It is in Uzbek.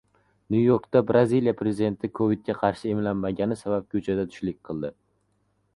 Nyu-Yorkda Braziliya prezidenti kovidga qarshi emlanmagani sabab ko‘chada tushlik qildi